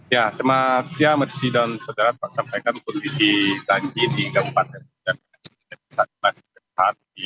ya selamat siang terima kasih dan saudara saudara sampaikan kondisi banjir di kabupaten muarujambi